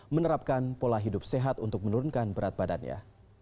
menerapkan pola hidup sehat untuk menurunkan berat badannya